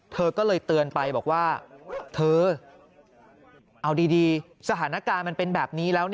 เธอก็เลยเตือนไปบอกว่าเธอเอาดีสถานการณ์มันเป็นแบบนี้แล้ว